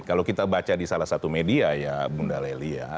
kalau kita baca di salah satu media ya bunda lely ya